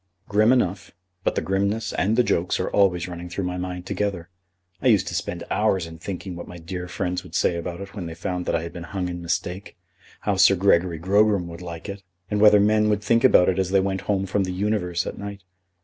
"Grim enough; but the grimness and the jokes are always running through my mind together. I used to spend hours in thinking what my dear friends would say about it when they found that I had been hung in mistake; how Sir Gregory Grogram would like it, and whether men would think about it as they went home from The Universe at night.